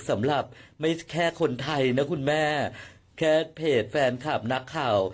สำหรับไม่ใช่แค่คนไทยนะคุณแม่แค่เพจแฟนคลับนักข่าว